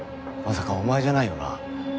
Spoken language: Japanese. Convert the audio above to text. まさかお前じゃないよな？